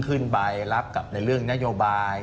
ขึ้นไปรับกับในเรื่องนโยบาย